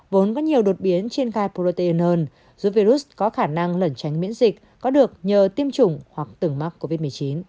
vốn có nhiều đột biến trên gai protein hơn giúp virus có khả năng lẩn tránh miễn dịch có được nhờ tiêm chủng hoặc từng mắc covid một mươi chín